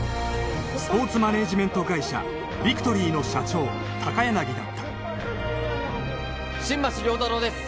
スポーツマネージメント会社ビクトリーの社長高柳だった新町亮太郎です